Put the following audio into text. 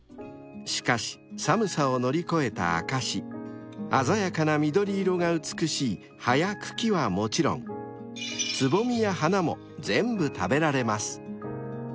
［しかし寒さを乗り越えた証し鮮やかな緑色が美しい葉や茎はもちろんつぼみや花も全部食べられます］